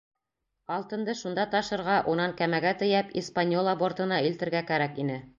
Алтынды шунда ташырға, унан кәмәгә тейәп, «Испаньола» бортына илтергә кәрәк ине.